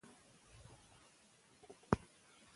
تاسو باید د بدن ټولو برخو ته اوبه ورسوي.